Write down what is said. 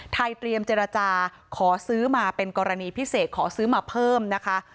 เตรียมเจรจาขอซื้อมาเป็นกรณีพิเศษขอซื้อมาเพิ่มนะคะ